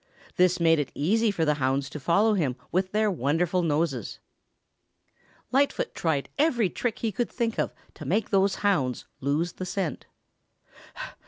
This made it easy for the hounds to follow him with their wonderful noses. Lightfoot tried every trick he could think of to make those hounds lose the scent.